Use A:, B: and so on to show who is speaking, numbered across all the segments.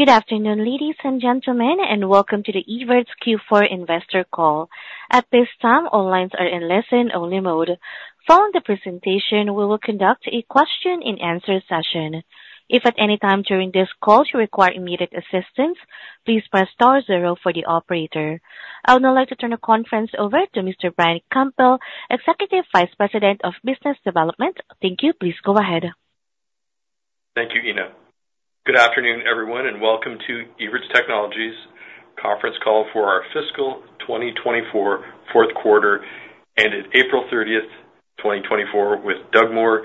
A: Good afternoon, ladies and gentlemen, and welcome to the Evertz Q4 Investor Call. At this time, all lines are in listen-only mode. Following the presentation, we will conduct a question-and-answer session. If at any time during this call you require immediate assistance, please press star zero for the operator. I would now like to turn the conference over to Mr. Brian Campbell, Executive Vice President of Business Development. Thank you. Please go ahead.
B: Thank you, Ina. Good afternoon, everyone, and welcome to Evertz Technologies Conference Call for our fiscal 2024 fourth quarter ended April 30, 2024, with Doug Moore,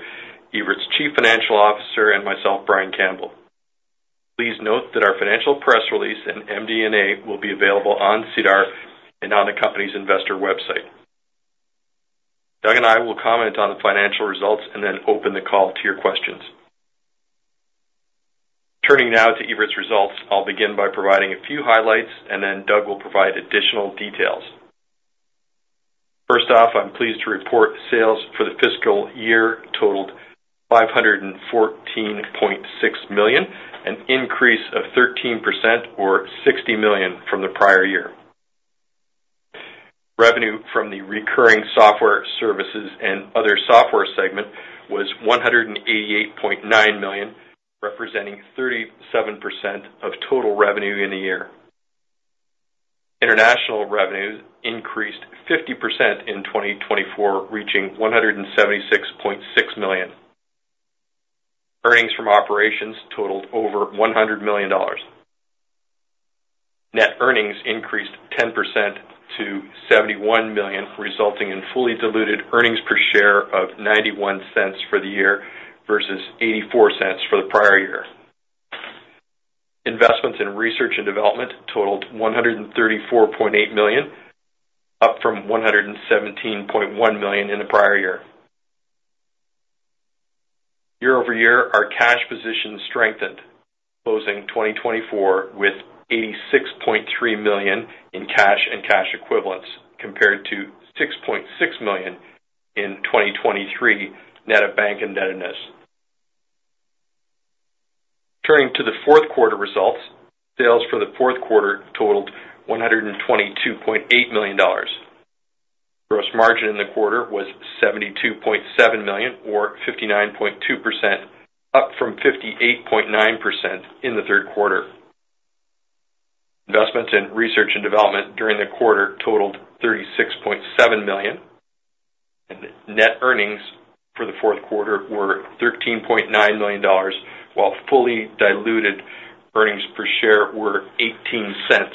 B: Evertz Chief Financial Officer, and myself, Brian Campbell. Please note that our financial press release and MD&A will be available on SEDAR and on the company's investor website. Doug and I will comment on the financial results and then open the call to your questions. Turning now to Evertz results, I'll begin by providing a few highlights, and then Doug will provide additional details. First off, I'm pleased to report sales for the fiscal year totaled 514.6 million, an increase of 13% or 60 million from the prior year. Revenue from the recurring software services and other software segment was 188.9 million, representing 37% of total revenue in the year. International revenues increased 50% in 2024, reaching 176.6 million. Earnings from operations totaled over 100 million dollars. Net earnings increased 10% to 71 million, resulting in fully diluted earnings per share of 0.91 for the year versus 0.84 for the prior year. Investments in research and development totaled 134.8 million, up from 117.1 million in the prior year. Year-over-year, our cash position strengthened, closing 2024 with 86.3 million in cash and cash equivalents, compared to 6.6 million in 2023, net of bank indebtedness. Turning to the fourth quarter results, sales for the fourth quarter totaled 122.8 million dollars. Gross margin in the quarter was 72.7 million, or 59.2%, up from 58.9% in the third quarter. Investments in research and development during the quarter totaled 36.7 million, and net earnings for the fourth quarter were 13.9 million dollars, while fully diluted earnings per share were 0.18.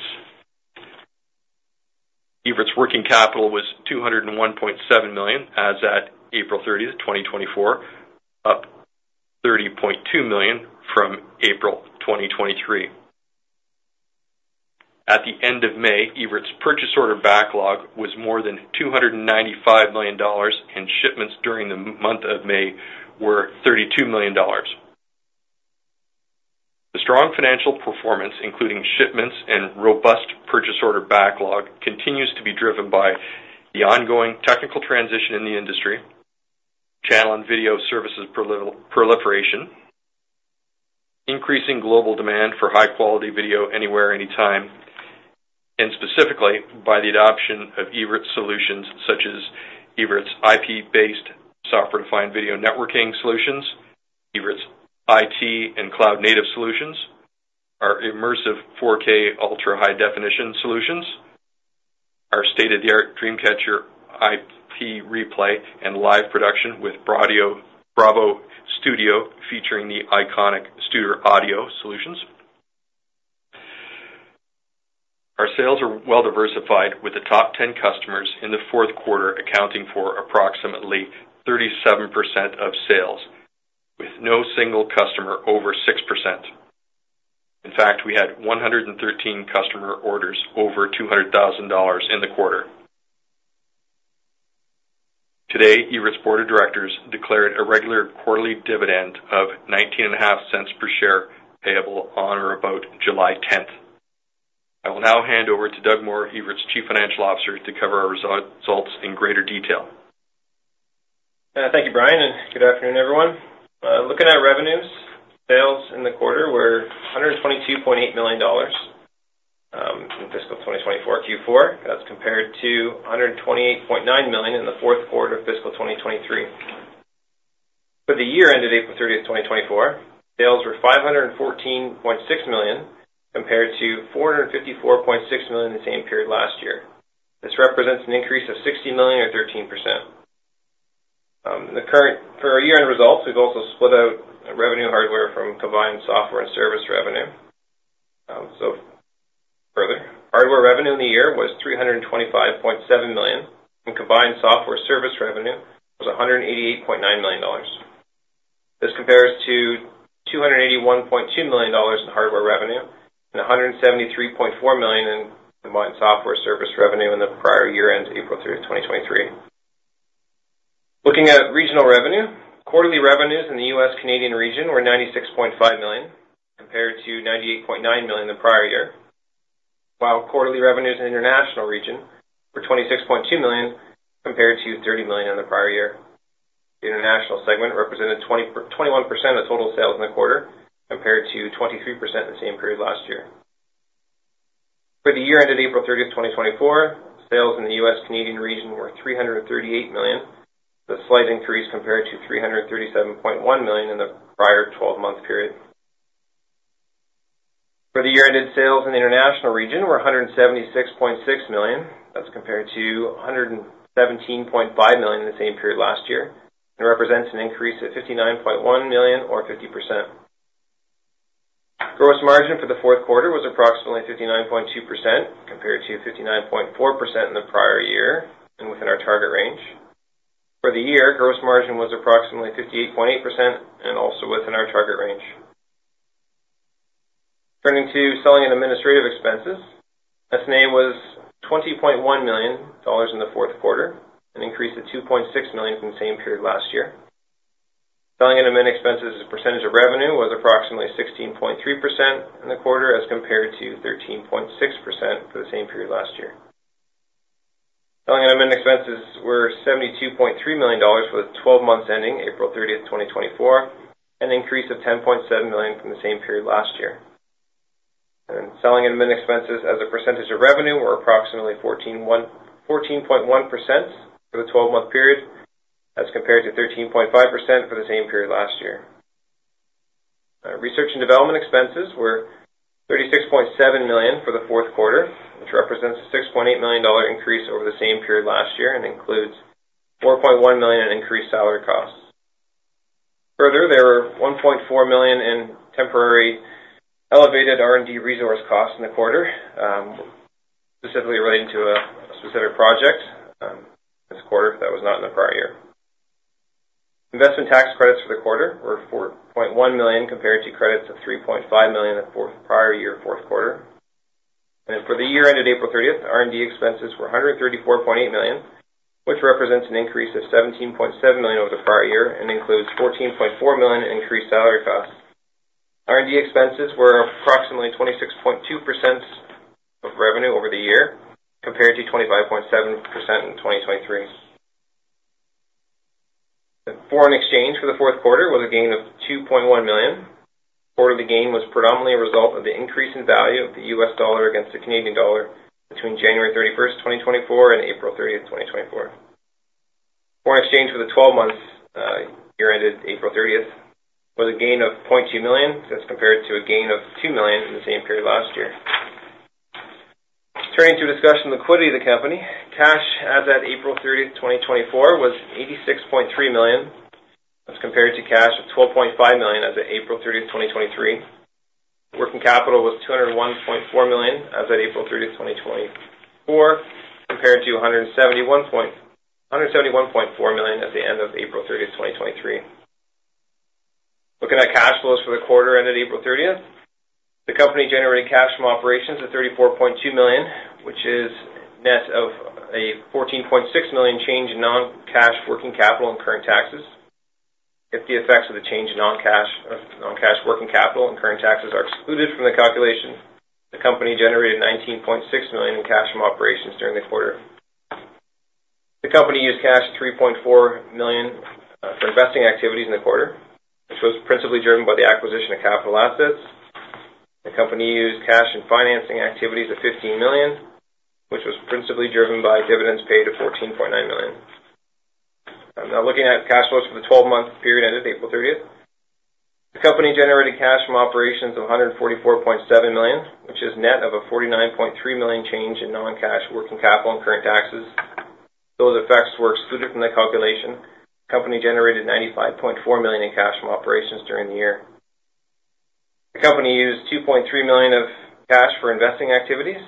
B: Evertz's working capital was 201.7 million as at April 30, 2024, up 30.2 million from April 2023. At the end of May, Evertz's purchase order backlog was more than 295 million dollars, and shipments during the month of May were 32 million dollars. The strong financial performance, including shipments and robust purchase order backlog, continues to be driven by the ongoing technical transition in the industry, channel and video services proliferation, increasing global demand for high-quality video anywhere, anytime, and specifically by the adoption of Evertz solutions such as Evertz IP-based Software-Defined Video Networking solutions, Evertz IT and cloud-native solutions, our immersive 4K ultra-high definition solutions, our state-of-the-art DreamCatcher IP replay and live production with Bravo Studio, featuring the iconic Studer audio solutions. Our sales are well diversified, with the top 10 customers in the fourth quarter accounting for approximately 37% of sales, with no single customer over 6%. In fact, we had 113 customer orders over 200,000 dollars in the quarter. Today, Evertz Board of Directors declared a regular quarterly dividend of 0.195 per share, payable on or about July tenth. I will now hand over to Doug Moore, Evertz Chief Financial Officer, to cover our results in greater detail.
C: Thank you, Brian, and good afternoon, everyone. Looking at revenues, sales in the quarter were 122.8 million dollars in fiscal 2024 Q4. That's compared to 128.9 million in the fourth quarter of fiscal 2023. For the year ended April thirtieth, 2024, sales were 514.6 million, compared to 454.6 million in the same period last year. This represents an increase of 60 million or 13%. For our year-end results, we've also split out revenue hardware from combined software and service revenue. So further, hardware revenue in the year was 325.7 million, and combined software service revenue was 188.9 million dollars. This compares to 281.2 million dollars in hardware revenue and 173.4 million in combined software service revenue in the prior year end, April 30, 2023. Looking at regional revenue, quarterly revenues in the U.S.-Canadian region were 96.5 million, compared to 98.9 million the prior year, while quarterly revenues in the international region were 26.2 million, compared to 30 million in the prior year. International segment represented 21% of total sales in the quarter, compared to 23% the same period last year. For the year ended April 30, 2024, sales in the U.S.-Canadian region were 338 million, with a slight increase compared to 337.1 million in the prior twelve-month period. For the year ended, sales in the international region were 176.6 million. That's compared to 117.5 million in the same period last year, and represents an increase of 59.1 million or 50%. Gross margin for the fourth quarter was approximately 59.2%, compared to 59.4% in the prior year, and within our target range. For the year, gross margin was approximately 58.8% and also within our target range. Turning to selling and administrative expenses. S&A was 20.1 million dollars in the fourth quarter, an increase of 2.6 million from the same period last year. Selling and admin expenses as a percentage of revenue was approximately 16.3% in the quarter, as compared to 13.6% for the same period last year. Selling and admin expenses were 72.3 million dollars for the twelve months ending April 30, 2024, an increase of 10.7 million from the same period last year. Selling and admin expenses as a percentage of revenue were approximately 14.1% for the twelve-month period, as compared to 13.5% for the same period last year. Research and development expenses were 36.7 million for the fourth quarter, which represents a 6.8 million dollar increase over the same period last year and includes 4.1 million in increased salary costs. Further, there were 1.4 million in temporary elevated R&D resource costs in the quarter, specifically relating to a specific project this quarter that was not in the prior year. Investment tax credits for the quarter were 4.1 million, compared to credits of 3.5 million at prior year fourth quarter. For the year ended April thirtieth, R&D expenses were 134.8 million, which represents an increase of 17.7 million over the prior year and includes 14.4 million in increased salary costs. R&D expenses were approximately 26.2% of revenue over the year, compared to 25.7% in 2023. The foreign exchange for the fourth quarter was a gain of 2.1 million. Part of the gain was predominantly a result of the increase in value of the U.S. dollar against the Canadian dollar between January thirty-first, 2024, and April thirtieth, 2024. Foreign exchange for the twelve months, year ended April thirtieth, was a gain of 0.2 million. That's compared to a gain of 2 million in the same period last year. Turning to discussion on the liquidity of the company, cash as at April 30, 2024, was 86.3 million. That's compared to cash of 12.5 million as of April 30, 2023. Working capital was 201.4 million, as at April 30, 2024, compared to 171.4 million at the end of April 30, 2023. Looking at cash flows for the quarter ended April 30, the company generated cash from operations of 34.2 million, which is net of a 14.6 million change in non-cash working capital and current taxes. If the effects of the change in non-cash, non-cash working capital and current taxes are excluded from the calculation, the company generated 19.6 million in cash from operations during the quarter. The company used cash 3.4 million for investing activities in the quarter, which was principally driven by the acquisition of capital assets. The company used cash and financing activities of 15 million, which was principally driven by dividends paid of 14.9 million. I'm now looking at cash flows for the twelve-month period ended April thirtieth. The company generated cash from operations of 144.7 million, which is net of a 49.3 million change in non-cash working capital and current taxes. Those effects were excluded from the calculation. The company generated 95.4 million in cash from operations during the year. The company used 2.3 million of cash for investing activities,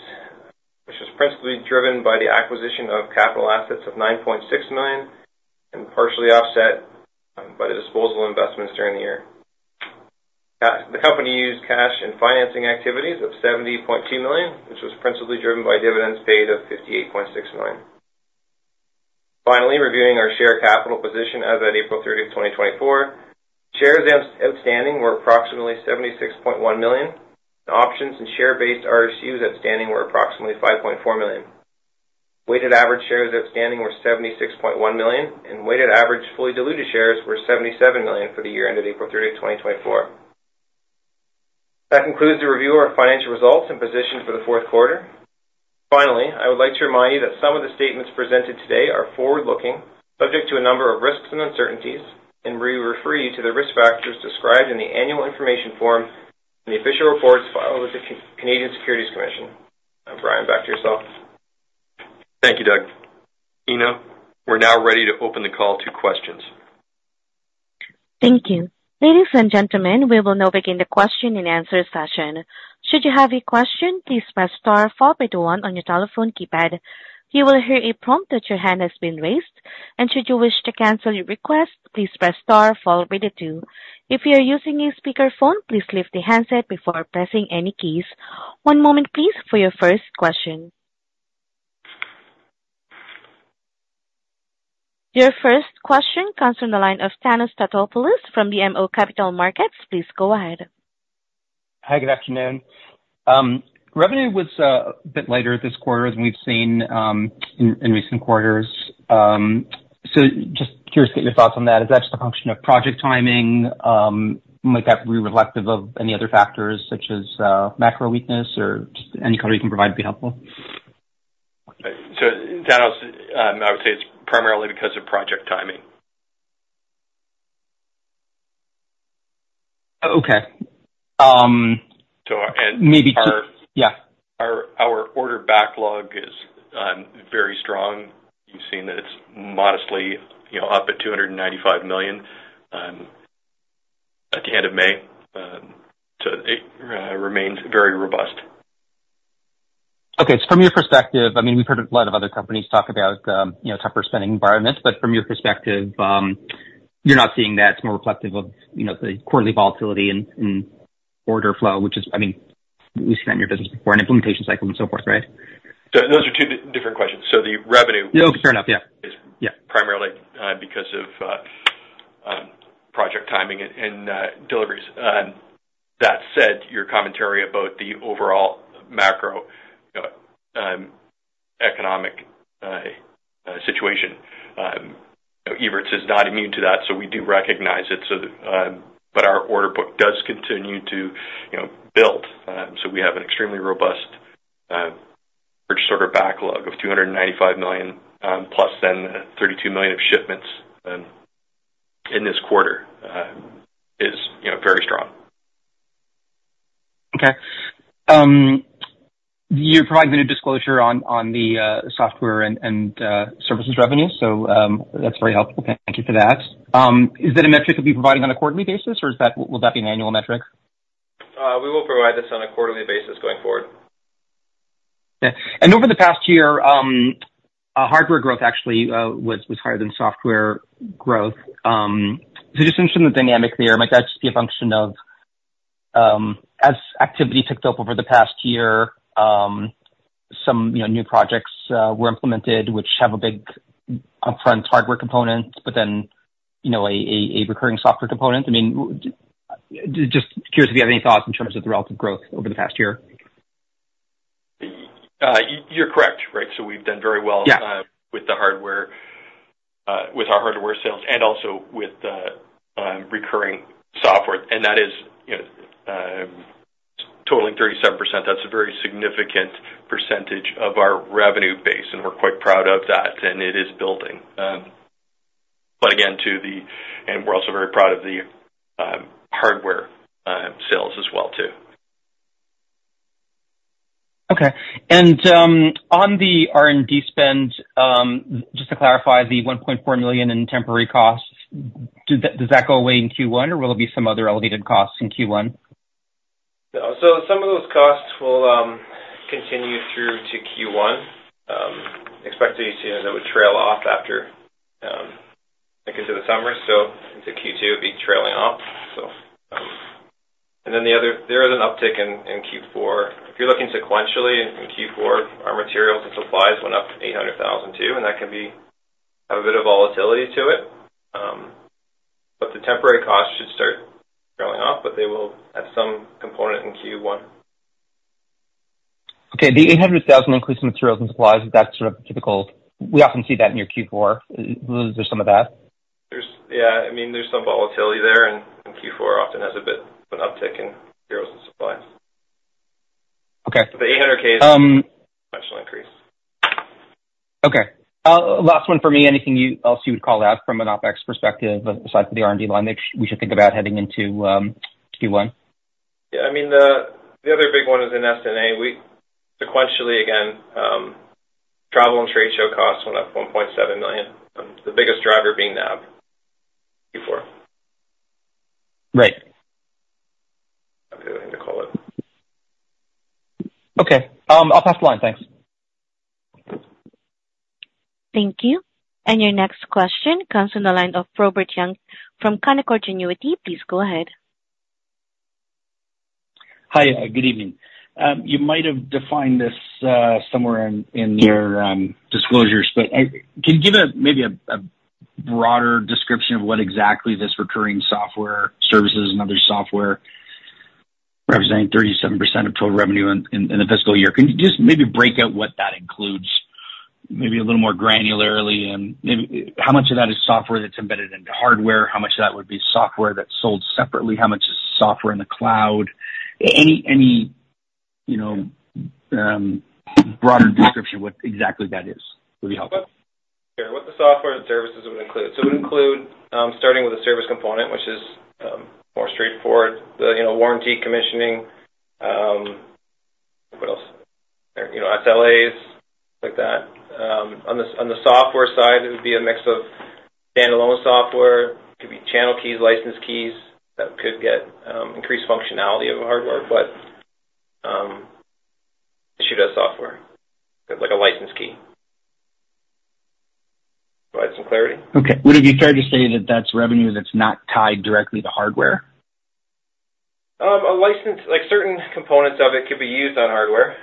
C: which was principally driven by the acquisition of capital assets of 9.6 million, and partially offset by the disposal investments during the year. The company used cash in financing activities of 70.2 million, which was principally driven by dividends paid of 58.6 million. Finally, reviewing our share capital position as at April 30, 2024, shares outstanding were approximately 76.1 million, and options and share-based RSU outstanding were approximately 5.4 million. Weighted average shares outstanding were 76.1 million, and weighted average fully diluted shares were 77 million for the year ended April 30, 2024. That concludes the review of our financial results and position for the fourth quarter. Finally, I would like to remind you that some of the statements presented today are forward-looking, subject to a number of risks and uncertainties, and we refer you to the risk factors described in the Annual Information Form in the official reports filed with the Canadian Securities Commission. Now, Brian, back to yourself.
B: Thank you, Doug. Ina, we're now ready to open the call to questions.
A: Thank you. Ladies and gentlemen, we will now begin the question and answer session. Should you have a question, please press star four followed by the one on your telephone keypad. You will hear a prompt that your hand has been raised, and should you wish to cancel your request, please press star followed by the two. If you are using a speakerphone, please lift the handset before pressing any keys. One moment, please, for your first question. Your first question comes from the line of Thanos Moschopoulos from BMO Capital Markets. Please go ahead....
D: Hi, good afternoon. Revenue was a bit lighter this quarter than we've seen in recent quarters. So just curious to get your thoughts on that. Is that just a function of project timing? Might that be reflective of any other factors, such as macro weakness or just any color you can provide would be helpful?
B: Thanos, I would say it's primarily because of project timing.
D: Okay. Um-
B: So and-
D: Maybe just. Yeah.
B: Our order backlog is very strong. You've seen that it's modestly, you know, up at 295 million at the end of May. So it remains very robust.
D: Okay, so from your perspective, I mean, we've heard a lot of other companies talk about, you know, tougher spending environments, but from your perspective, you're not seeing that; it's more reflective of, you know, the quarterly volatility in order flow, which is, I mean, we've seen that in your business before and implementation cycle and so forth, right?
B: Those are two different questions. The revenue-
D: No, fair enough. Yeah.
B: Is-
D: Yeah.
B: primarily, because of, project timing and, and, deliveries. That said, your commentary about the overall macro, economic, situation, Evertz is not immune to that, so we do recognize it, so... But our order book does continue to, you know, build. So we have an extremely robust, purchase order backlog of 295 million, plus then 32 million of shipments, in this quarter, is, you know, very strong.
D: Okay. You provide the new disclosure on the software and services revenue, so that's very helpful. Thank you for that. Is that a metric you'll be providing on a quarterly basis, or is that—will that be an annual metric?
B: We will provide this on a quarterly basis going forward.
D: Yeah. And over the past year, hardware growth actually was higher than software growth. So just in terms of the dynamic there, might that just be a function of, as activity picked up over the past year, some, you know, new projects were implemented, which have a big upfront hardware component, but then, you know, a recurring software component? I mean, just curious if you have any thoughts in terms of the relative growth over the past year.
B: You're correct. Right. So we've done very well-
D: Yeah...
B: with the hardware, with our hardware sales and also with the recurring software, and that is, you know, totaling 37%. That's a very significant percentage of our revenue base, and we're quite proud of that, and it is building. But again, and we're also very proud of the hardware sales as well, too.
D: Okay. On the R&D spend, just to clarify, the 1.4 million in temporary costs, does that go away in Q1, or will there be some other elevated costs in Q1?
B: So some of those costs will continue through to Q1. Expect to see that would trail off after, like I said, the summer, so into Q2, it'll be trailing off. So, and then the other, there is an uptick in Q4. If you're looking sequentially in Q4, our materials and supplies went up to 800,000 too, and that can have a bit of volatility to it. But the temporary costs should start trailing off, but they will have some component in Q1.
D: Okay. The 800 thousand includes some materials and supplies. That's sort of typical. We often see that in your Q4. Is there some of that?
B: There's... Yeah. I mean, there's some volatility there, and Q4 often has a bit of an uptick in materials and supplies.
D: Okay.
B: The 800,000 is actual increase.
D: Okay. Last one for me. Anything else you would call out from an OpEx perspective besides the R&D line we should think about heading into Q1?
B: Yeah, I mean, the other big one is in S&A. We sequentially, again, travel and trade show costs went up 1.7 million, the biggest driver being NAB Q4.
D: Right.
B: Okay, I think to call it.
D: Okay, I'll pass the line. Thanks.
A: Thank you. Your next question comes from the line of Robert Young from Canaccord Genuity. Please go ahead.
E: Hi, good evening. You might have defined this somewhere in your disclosures, but I can you give a maybe a broader description of what exactly this recurring software, services, and other software representing 37% of total revenue in the fiscal year? Can you just maybe break out what that includes, maybe a little more granularly, and maybe how much of that is software that's embedded into hardware? How much of that would be software that's sold separately? How much is software in the cloud? Any, you know, broader description, what exactly that is, would be helpful.
B: Sure. What the software and services would include. So it would include, starting with the service component, which is more straightforward, the, you know, warranty, commissioning, what else? You know, SLAs, like that. On the software side, it would be a mix of standalone software, it could be channel keys, license keys, that could get increased functionality of the hardware, but issued as software, like a license key. Provide some clarity?
E: Okay. Would it be fair to say that that's revenue that's not tied directly to hardware?
B: A license, like certain components of it, could be used on hardware,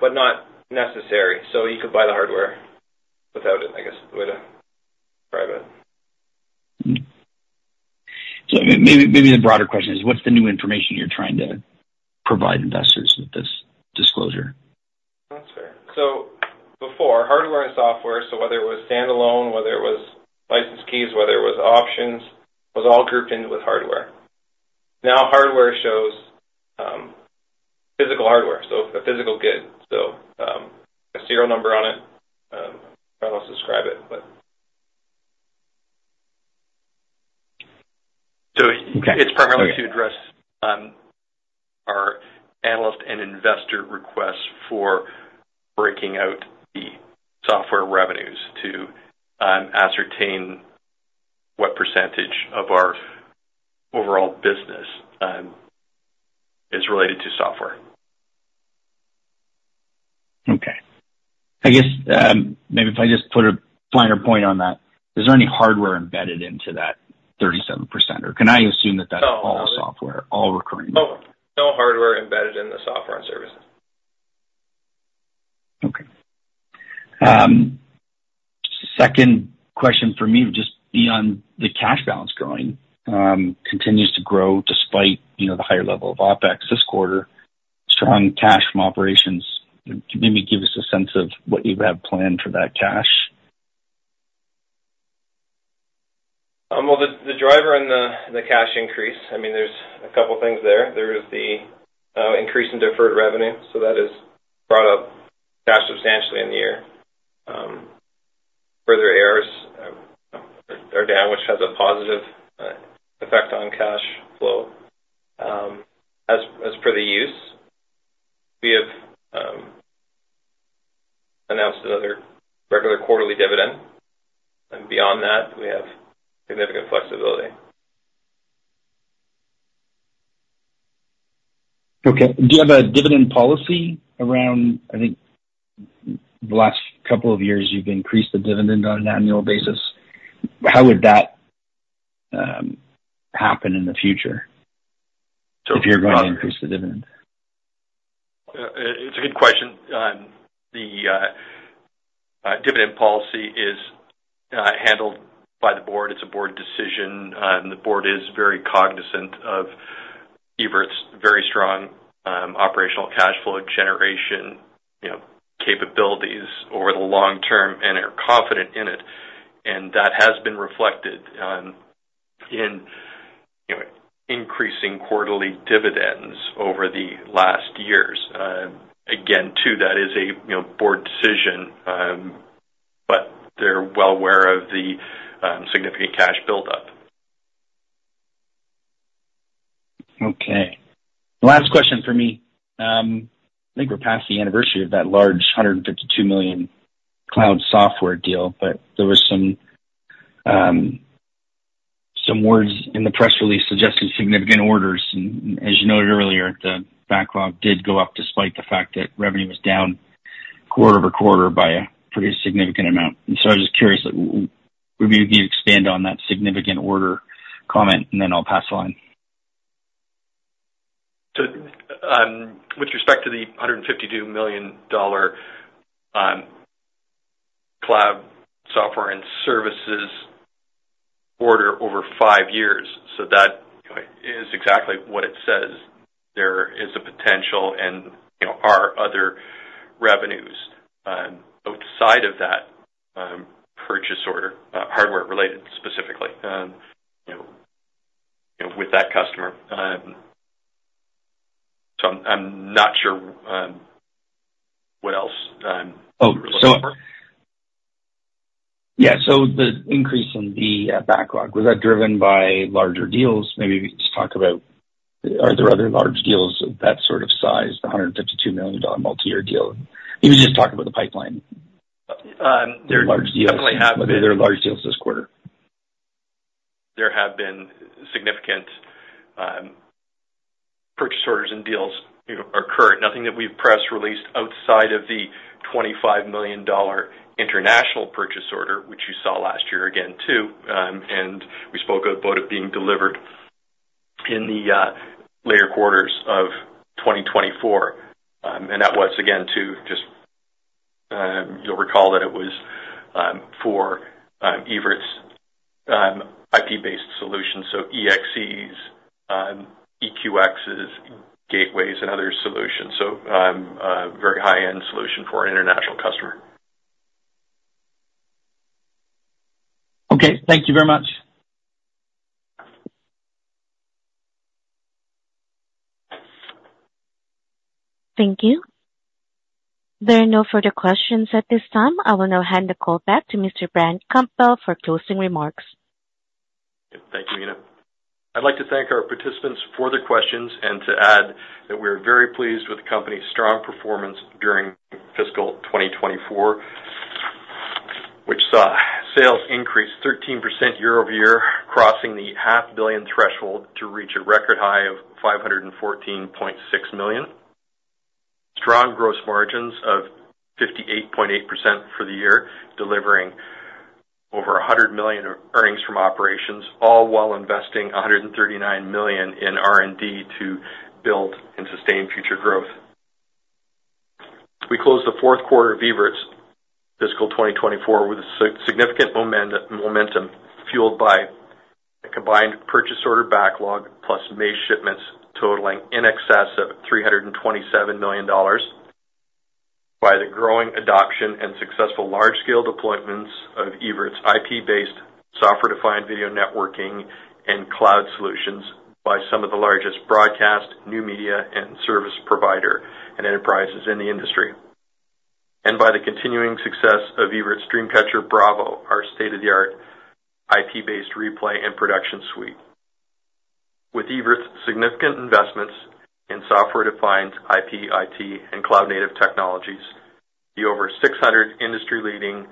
B: but not necessary. So you could buy the hardware without it, I guess, would...
E: Mm-hmm. So maybe, maybe the broader question is, what's the new information you're trying to provide investors with this disclosure?
C: That's fair. So before, hardware and software, so whether it was standalone, whether it was license keys, whether it was options, was all grouped in with hardware. Now, hardware shows physical hardware, so a physical good. So, a serial number on it, I don't want to describe it, but-
B: So it's primarily to address our analyst and investor requests for breaking out the software revenues to ascertain what percentage of our overall business is related to software.
E: Okay. I guess, maybe if I just put a finer point on that, is there any hardware embedded into that 37%, or can I assume that that's all software, all recurring?
C: No. No hardware embedded in the software and services.
E: Okay. Second question for me, just beyond the cash balance growing, continues to grow despite, you know, the higher level of OpEx this quarter, strong cash from operations. Maybe give us a sense of what you have planned for that cash.
C: Well, the driver and the cash increase, I mean, there's a couple things there. There is the increase in deferred revenue, so that has brought up cash substantially in the year. Further errors are down, which has a positive effect on cash flow. As for the use, we have announced another regular quarterly dividend, and beyond that, we have significant flexibility.
E: Okay. Do you have a dividend policy around... I think the last couple of years you've increased the dividend on an annual basis. How would that happen in the future if you're going to increase the dividend?
B: It's a good question. The dividend policy is handled by the board. It's a board decision, and the board is very cognizant of Evertz' very strong operational cash flow generation, you know, capabilities over the long term and are confident in it. And that has been reflected in, you know, increasing quarterly dividends over the last years. Again, too, that is a, you know, board decision, but they're well aware of the significant cash buildup.
E: Okay. Last question for me. I think we're past the anniversary of that large 152 million cloud software deal, but there was some, some words in the press release suggesting significant orders, and as you noted earlier, the backlog did go up despite the fact that revenue was down quarter-over-quarter by a pretty significant amount. And so I was just curious, would maybe expand on that significant order comment, and then I'll pass on.
B: So, with respect to the 152 million dollar cloud software and services order over 5 years, so that, you know, is exactly what it says. There is a potential and, you know, are other revenues, outside of that, purchase order, hardware related, specifically, you know, you know, with that customer. So I'm not sure, what else, you're looking for.
E: Oh, so... Yeah, so the increase in the backlog, was that driven by larger deals? Maybe just talk about, are there other large deals of that sort of size, the 152 million dollar multi-year deal? Even just talk about the pipeline.
B: Um, there-
E: Large deals. Were there large deals this quarter?
B: There have been significant purchase orders and deals, you know, occur. Nothing that we've press released outside of the 25 million dollar international purchase order, which you saw last year again, too, and we spoke about it being delivered in the later quarters of 2024. And that was, again, to just, you'll recall that it was, for Evertz IP-based solutions, so EXEs, EQXs, Gateways, and other solutions. So, a very high-end solution for an international customer.
E: Okay. Thank you very much.
A: Thank you. There are no further questions at this time. I will now hand the call back to Mr. Brian Campbell for closing remarks.
B: Thank you, Ina. I'd like to thank our participants for the questions and to add that we are very pleased with the company's strong performance during fiscal 2024, which saw sales increase 13% year-over-year, crossing the 500 million threshold to reach a record high of 514.6 million. Strong gross margins of 58.8% for the year, delivering over 100 million in earnings from operations, all while investing 139 million in R&D to build and sustain future growth. We closed the fourth quarter of Evertz fiscal 2024 with significant momentum, fueled by the combined purchase order backlog, plus May shipments totaling in excess of 327 million dollars. By the growing adoption and successful large-scale deployments of Evertz IP-based, software-defined video networking and cloud solutions by some of the largest broadcast, new media, and service provider, and enterprises in the industry. And by the continuing success of Evertz DreamCatcher Bravo, our state-of-the-art IP-based replay and production suite. With Evertz significant investments in software-defined IP, IT, and cloud-native technologies, the over 600 industry-leading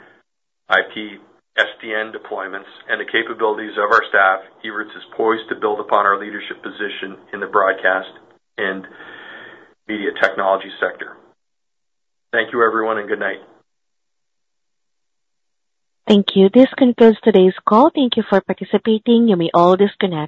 B: IP SDN deployments and the capabilities of our staff, Evertz is poised to build upon our leadership position in the broadcast and media technology sector. Thank you, everyone, and good night.
A: Thank you. This concludes today's call. Thank you for participating. You may all disconnect.